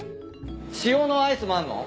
塩のアイスもあんの？